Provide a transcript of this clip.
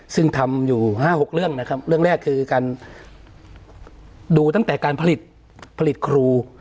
ซึ่งทำอยู่๕๖เรื่องนะครับเรื่องแรกคือการดูตั้งแต่การผลิตครู